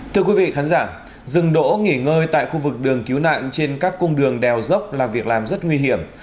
thưa quý vị khán giả dừng đỗ nghỉ ngơi tại khu vực đường cứu nạn trên các cung đường đèo dốc là việc làm rất nguy hiểm